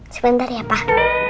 sebentar ya pak